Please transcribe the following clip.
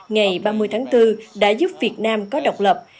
ngày ba mươi tháng bốn đã giúp việt nam có độc lập